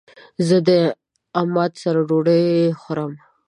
زه د عماد سره ډوډی خورم